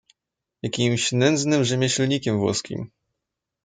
"jakimś nędznym rzemieślnikiem włoskim!"